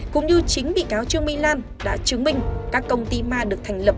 cũng như chính bị cáo trương mỹ lan đã chứng minh các công ty ma được thành lập